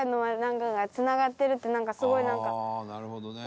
「ああなるほどね」